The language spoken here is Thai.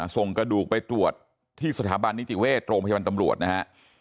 ส่งกระดูกไปตรวจที่สถาบันนิติเวชโรงพยาบาลตำรวจนะฮะ